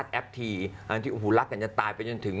พี่น้องเรียนรันจริงคือคนเรามันปังเออร์ได้